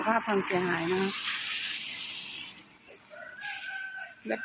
ภาพพังเสียหายนะครับ